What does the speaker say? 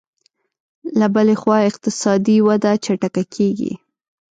له بلې خوا اقتصادي وده چټکه کېږي